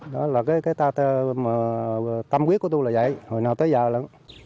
đó là cái tâm quyết của tôi là vậy hồi nào tới giờ là